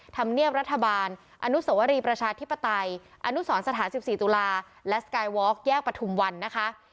ธรรมเนียบรัฐบาลอนุสวรีประชาธิปไตยอนุสรสถาน๑๔ตุลาและสกายวอล์กแยกประทุมวันนะคะ